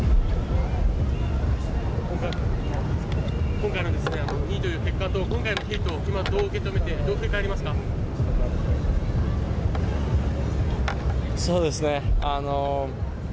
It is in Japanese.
今回の２位という結果と、今回のヒート、どう受け止めて、そうですね。